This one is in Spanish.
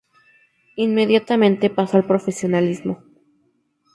Inmediatamente pasó al profesionalismo.